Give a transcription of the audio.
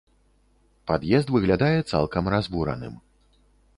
Пад'езд выглядае цалкам разбураным.